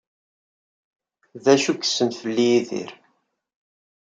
D acu ay yessen fell-i Yidir?